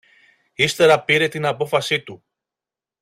Ύστερα πήρε την απόφαση του.